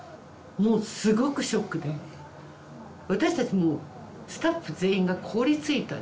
もうすごくショックで私たちもスタッフ全員が凍りついた。